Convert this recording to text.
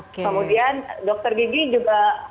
kemudian dokter gigi juga